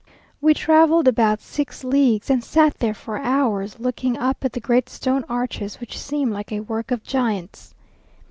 We travelled about six leagues, and sat there for hours, looking up at the great stone arches, which seem like a work of giants.